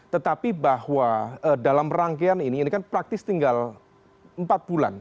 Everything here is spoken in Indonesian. tetapi bahwa dalam rangkaian ini ini kan praktis tinggal empat bulan